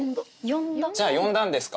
じゃあ呼んだんですか？